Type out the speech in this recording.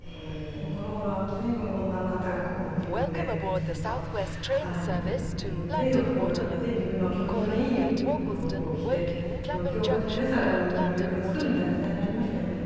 でもこの頃は随分女の方がこう自分でちゃんと働いて自分で洋服を買って自分の気持ちのいい服を着てその着心地の良さが女の魅力を作るみたいな時代になりましたよね。